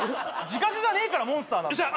自覚がねえからモンスターなんだよ